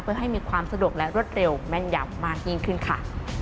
เพื่อให้มีความสะดวกและรวดเร็วแม่นยำมากยิ่งขึ้นค่ะ